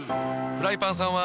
フライパンさんは。